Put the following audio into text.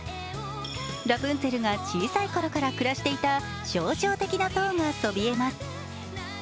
ラプンツェルが小さいころから暮らしていた象徴的な塔がそびえます。